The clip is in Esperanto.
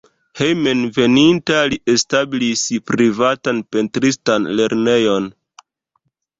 Hejmenveninta li establis privatan pentristan lernejon.